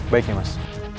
baik nih mas